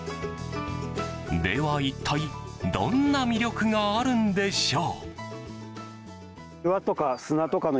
では一体どんな魅力があるんでしょう。